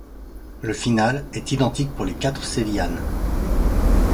Le final, est identique pour les quatre sévillanes.